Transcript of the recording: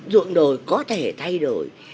dụng đồi có thể thay đổi